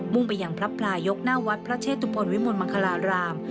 ่งไปยังพระปลายกหน้าวัดพระเชตุพลวิมลมังคลาราม